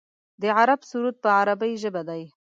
د عرب سرود په عربۍ ژبه دی.